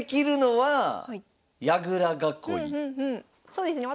そうですね